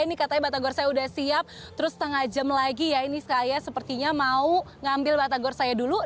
ini katanya batagor saya udah siap terus setengah jam lagi ya ini saya sepertinya mau ngambil batagor saya dulu